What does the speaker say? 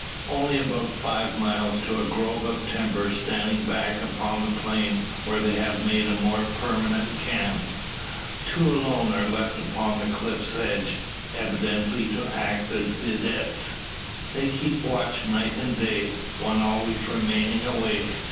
Only about five miles, to a grove of timber standing back upon the plain, where they have made a more permanent camp. Two alone are left upon the cliff's edge; evidently to act as videttes. They keep watch night and day, one always remaining awake.